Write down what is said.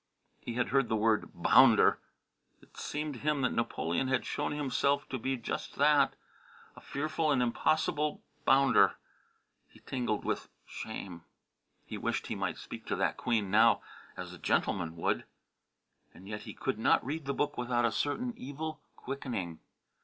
He had heard the word "bounder." It seemed to him that Napoleon had shown himself to be just that a fearful and impossible bounder. He tingled with shame. He wished he might speak to that Queen now as a gentleman would. And yet he could not read the book without a certain evil quickening.